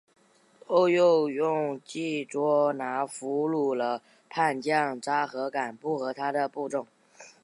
后又用计捉拿俘虏了叛将札合敢不和他的部众。